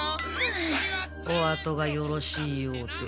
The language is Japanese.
おあとがよろしいようで